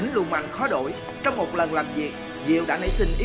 nhưng mà đến giờ đi làm rồi đấy